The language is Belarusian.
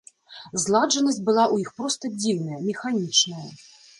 Зладжанасць была ў іх проста дзіўная, механічная.